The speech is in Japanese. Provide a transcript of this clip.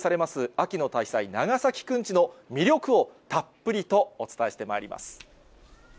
秋の大祭、長崎くんちの魅力をたっぷりとお伝えしてまいります。